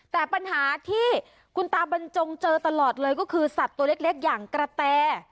แต่ปัญหาที่คุณตาบรรจงเจอตลอดเลยก็คือสัตว์ตัวเล็กอย่างกระแต